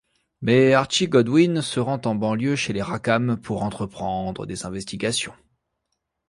Mais Archie Goddwin se rend en banlieue chez les Rackham pour entreprendre des investigations.